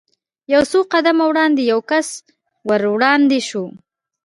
یو څو قدمه وړاندې یو کس ور وړاندې شو.